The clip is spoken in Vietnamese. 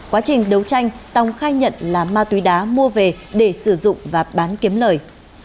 quá trình đấu tranh tòng khai nhận là ma túy đá mua về để sử dụng và bán kiếm lời